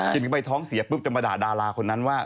สิทย์มิดใจท้องเสียปุ๊บจะมาด่าดาราคนนั้นว่า